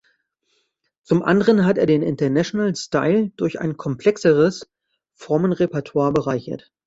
Zum anderen hat er den International Style durch ein komplexeres Formenrepertoire bereichert.